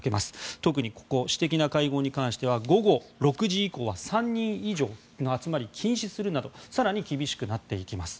特に私的な会合に関しては午後６時以降は３人以上の集まりを禁止するなど更に厳しくなっていきます。